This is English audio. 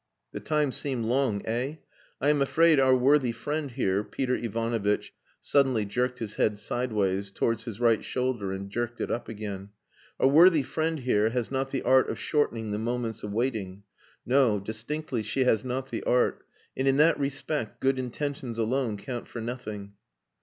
"The time seemed long, eh? I am afraid our worthy friend here" (Peter Ivanovitch suddenly jerked his head sideways towards his right shoulder and jerked it up again), "our worthy friend here has not the art of shortening the moments of waiting. No, distinctly she has not the art; and in that respect good intentions alone count for nothing."